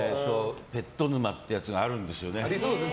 ペット沼ってやつがあるんですよね。